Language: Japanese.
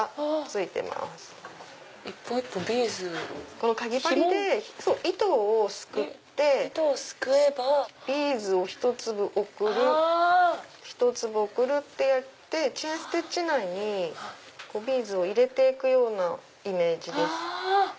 このかぎ針で糸をすくってビーズをひと粒送るひと粒送るってやってチェーンステッチ内にビーズを入れて行くようなイメージです。